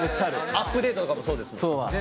アップデートとかもそうですもん。